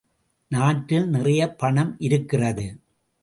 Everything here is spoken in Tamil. நாட்டில் நிறைய பணம் இருக்கிறது!